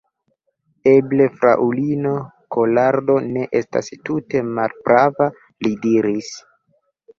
Eble fraŭlino Kolardo ne estas tute malprava, li diris.